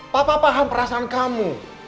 papa paham perasaan kamu